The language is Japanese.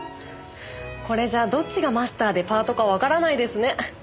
これじゃどっちがマスターでパートかわからないですね。